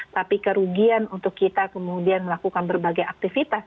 tapi kerugian untuk kita kemudian melakukan berbagai aktivitas